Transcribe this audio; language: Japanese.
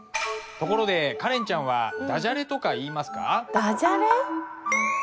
ところでカレンちゃんはだじゃれとか言いますか？